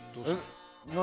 何？